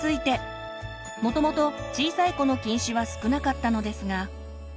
もともと小さい子の近視は少なかったのですが。